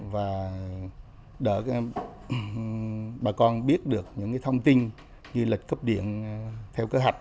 và đỡ bà con biết được những thông tin như lịch cấp điện theo cơ hạch